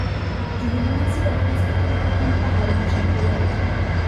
Je vous remercie d’avoir respecté votre temps de parole, mon cher collègue.